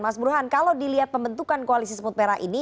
mas burhan kalau dilihat pembentukan koalisi semut merah ini